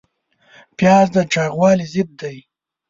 پیاز د چاغوالي ضد دی